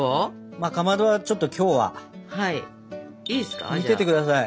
まっかまどはちょっときょうは見ててください。